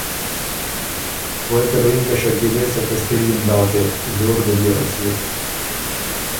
غوېکه له یِن که ”شکیلے! سکه ستِړيې م داکې زور دل يې رسيېک،